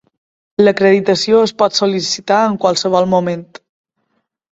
L'acreditació es pot sol·licitar en qualsevol moment.